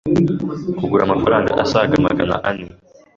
kugura amafaranga asaga magana ane.